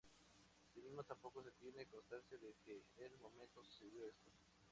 Así mismo tampoco se tiene constancia de en que momento sucedió esto.